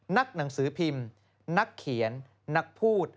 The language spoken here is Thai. นักหนังสือพิมพ์นักเขียนนักพูด